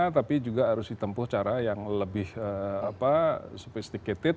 tapi juga harus ditempuh cara yang lebih sophisticated